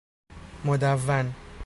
مدون